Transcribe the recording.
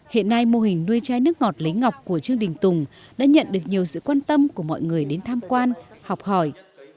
hiện nay mô hình nuôi chai nước ngọt lấy ngọc của trương đình tùng đã nhận được nhiều sự quan tâm của mọi người đến tham quan học hỏi